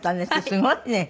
すごいね。